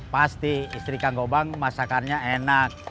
pasti istri kakak bang masakannya enak